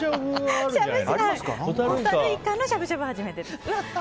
ホタルイカのしゃぶしゃぶは初めてです。